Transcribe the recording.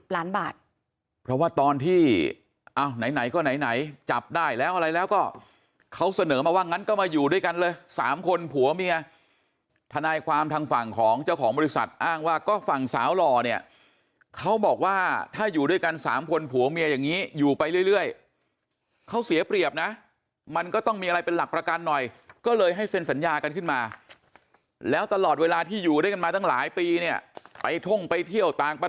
ไหนก็ไหนจับได้แล้วอะไรแล้วก็เขาเสนอมาว่างั้นก็มาอยู่ด้วยกันเลย๓คนผัวเมียทนายความทางฝั่งของเจ้าของบริษัทอ้างว่าก็ฝั่งสาวหล่อเนี่ยเขาบอกว่าถ้าอยู่ด้วยกัน๓คนผัวเมียอย่างนี้อยู่ไปเรื่อยเขาเสียเปรียบนะมันก็ต้องมีอะไรเป็นหลักประกันหน่อยก็เลยให้เซ็นสัญญากันขึ้นมาแล้วตลอดเวลาที่อยู่ด้วยกั